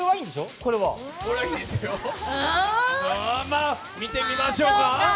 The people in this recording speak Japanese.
うん、まあ見てみましょうか。